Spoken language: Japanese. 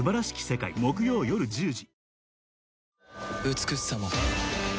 美しさも